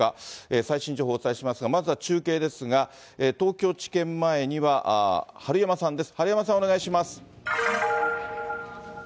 最新情報をお伝えしますが、まずは中継ですが、東京地検前には治山さんです。